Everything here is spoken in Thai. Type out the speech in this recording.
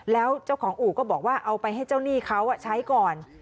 แล้วเจ้าของอู่ก็บอกว่าเอาไปให้เจ้าหนี้เขาใช้ก่อน